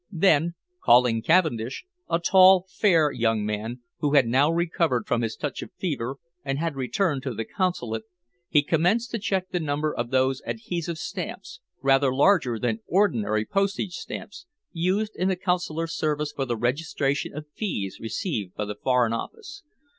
Then, calling Cavendish, a tall, fair young man, who had now recovered from his touch of fever and had returned to the Consulate, he commenced to check the number of those adhesive stamps, rather larger than ordinary postage stamps, used in the Consular service for the registration of fees received by the Foreign Office.